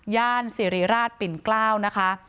สิริราชปิ่นเกล้านะคะ